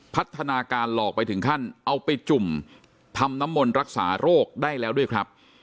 พัฒนาการหลอกไปถึงขั้นเอาไปจุ่มทำน้ำมนต์รักษาโรคได้แล้วด้วยครับ